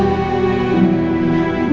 mbak catherine kita mau ke rumah